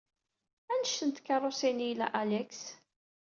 Anect n tkeṛṛusin ay ila Alex?